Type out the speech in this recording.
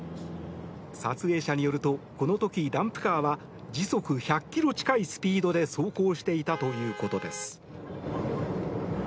撮影者によるとこの時、ダンプカーは時速１００ｋｍ近いスピードで走行していたということです。